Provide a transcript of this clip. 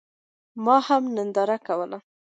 ما هم ننداره کوله.